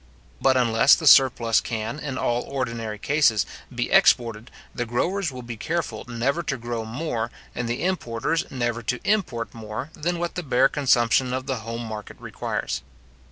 But unless the surplus can, in all ordinary cases, be exported, the growers will be careful never to grow more, and the importers never to import more, than what the bare consumption of the home market requires.